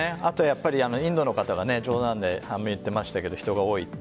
インドの方が冗談で言っていましたけど人が多いって。